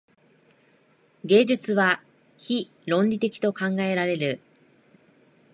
芸術は非論理的と考えられる。